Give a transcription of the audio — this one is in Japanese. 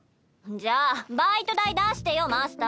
じゃあバイト代出してよマスター。